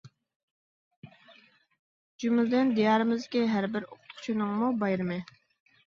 جۈملىدىن دىيارىمىزدىكى ھەر بىر ئوقۇتقۇچىنىڭمۇ بايرىمى.